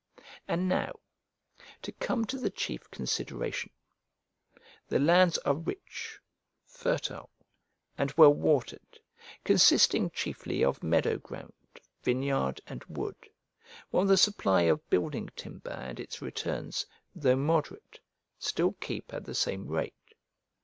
And now, to come to the chief consideration: the lands are rich, fertile, and well watered, consisting chiefly of meadow ground, vineyard, and wood, while the supply of building timber and its returns, though moderate, still, keep at the same rate.